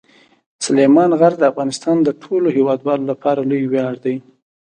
سلیمان غر د افغانستان د ټولو هیوادوالو لپاره لوی ویاړ دی.